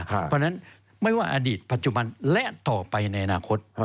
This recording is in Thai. เพราะฉะนั้นไม่ว่าอดีตปัจจุบันและต่อไปในอนาคต